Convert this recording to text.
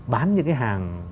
bán những cái hàng